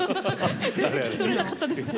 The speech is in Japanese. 全然聴き取れなかったんですけど。